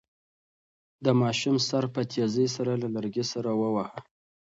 د ماشوم سر په تېزۍ سره له لرګي سره وواهه.